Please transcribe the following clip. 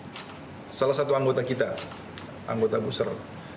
ini adalah salah satu anggota kita anggota busur